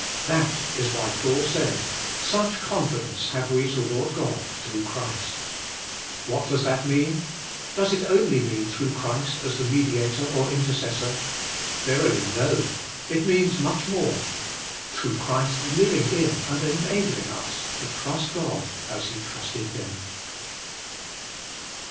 That is why Paul said: "Such confidence have we toward God, through Christ." What does that mean? Does it only mean through Christ as the mediator, or inter cessor? Verily, no. It means much more; through Christ living in and enabling us to trust God as He trusted Him.